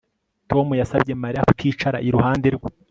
Tom yasabye Mariya kuticara iruhande rwe